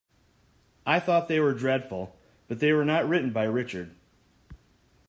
I thought they were dreadful, but they were not written by Richard.